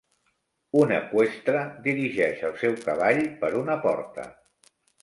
Un eqüestre dirigeix el seu cavall per una porta.